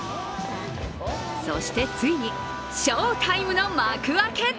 そして、ついに翔タイムの幕開け。